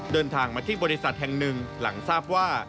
เดินทางมาที่บริษัทแห่งหนึ่งหลังทราบว่า